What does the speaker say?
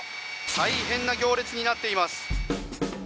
大変な行列になっています。